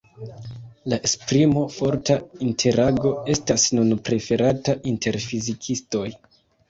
La esprimo "forta interago" estas nun preferata inter fizikistoj.